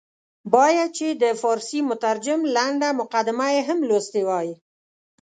باید چې د فارسي مترجم لنډه مقدمه یې هم لوستې وای.